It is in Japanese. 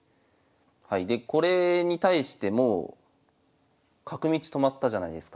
でこれに対しても角道止まったじゃないですか。